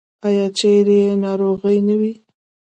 آیا چیرې چې ناروغي نه وي؟